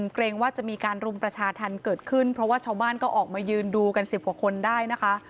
เกรงว่าจะมีการรุมประชาธรรมเกิดขึ้นเพราะว่าชาวบ้านก็ออกมายืนดูกัน๑๐กว่าคนได้นะคะ